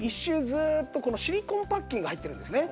ずーっとこのシリコンパッキンが入ってるんですね。